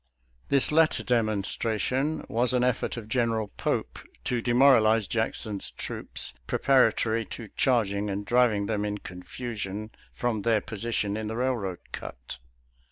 This lat ter demonstration was an effort of General Pope to demoralize Jackson's troops preparatory to charging and driving them in confusion from their position in the railroad cut.